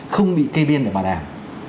không bị cây biên để bảo đảm